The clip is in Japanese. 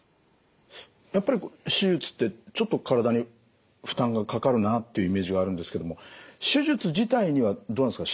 やっぱり手術ってちょっと体に負担がかかるなっていうイメージがあるんですけども手術自体にはどうなんですか？